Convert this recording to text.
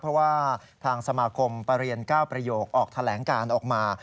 เพราะว่าทางสมาคมประเรียน๙ประโยคออกแถลงการออกมา